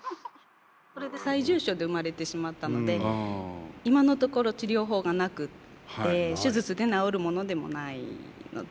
それで最重症で生まれてしまったので今のところ治療法がなくって手術で治るものでもないので。